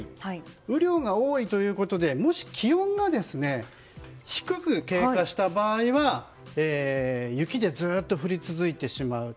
雨量が多いということでもし気温が低く低下した場合は雪でずっと降り続けてしまうと。